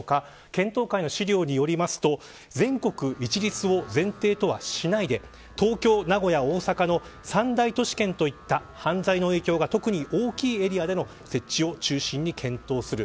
検討会の資料によりますと全国一律は前提とはしないで東京、名古屋、大阪の三大都市圏といった犯罪の影響が特に大きいエリアでの設置を中心に検討する。